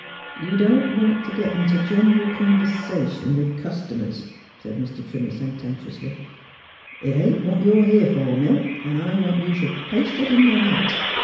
" You don't want t' git int' general conversation with customers," said Mr. Trimmer sententiously. " It ain't what you're here for, Milt, and I want you should paste it in your hat.